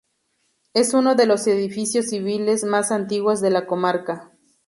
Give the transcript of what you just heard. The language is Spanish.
Es uno de los edificios civiles más antiguos de la comarca.